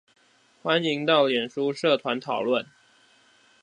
歡迎到臉書社團討論